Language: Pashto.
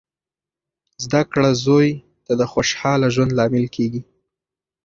زده کړه زوی ته د خوشخاله ژوند لامل کیږي.